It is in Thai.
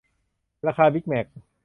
ราคาบิกแมค